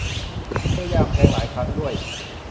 พยายามแทงหลายครั้งด้วย